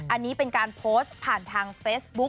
อันนี้เป็นการโพสต์ผ่านทางเฟซบุ๊ค